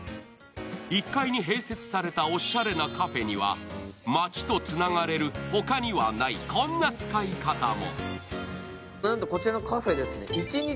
１階に併設されたおしゃれなカフェには街とつながれる他にはないこんな使い方も。